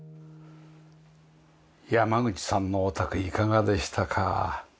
山口さんのお宅いかがでしたか？